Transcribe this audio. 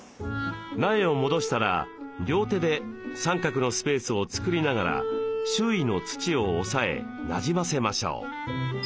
苗を戻したら両手で三角のスペースを作りながら周囲の土を押さえなじませましょう。